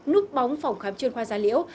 núp bóng phòng khám chuyên khoa gia liễu